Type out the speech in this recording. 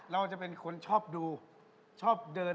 เราจะเป็นคนชอบดูชอบเดิน